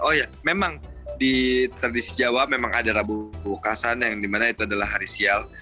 oh ya memang di tradisi jawa memang ada rabu kukasan yang dimana itu adalah hari sial